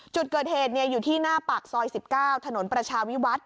จุดเกิดเหตุอยู่ที่หน้าปากซอย๑๙ถนนประชาวิวัฒน์